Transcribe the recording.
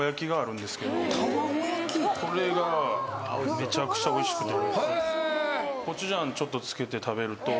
これがめちゃくちゃおいしくて。